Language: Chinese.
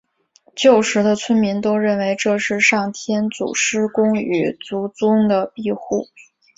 旧时的村民都认为这是上天祖师公与祖宗的庇护。